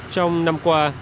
trong năm qua